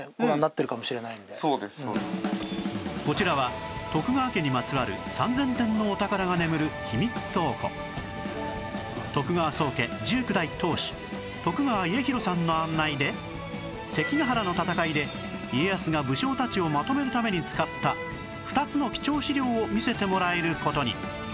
こちらは徳川家にまつわる３０００点のお宝が眠る秘密倉庫の案内で関ヶ原の戦いで家康が武将たちをまとめるために使った２つの貴重史料を見せてもらえる事に